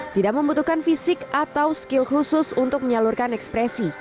tidak membutuhkan fisik atau skill khusus untuk menyalurkan ekspresi